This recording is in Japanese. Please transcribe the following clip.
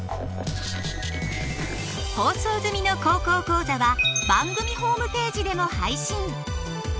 放送済みの「高校講座」は番組ホームページでも配信。